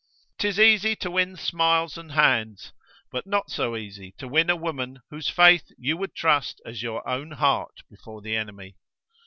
'Tis easy to win smiles and hands, but not so easy to win a woman whose faith you would trust as your own heart before the enemy.